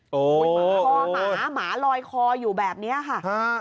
มันหมาคอหมาหมาลอยคออยู่แบบนี้ค่ะ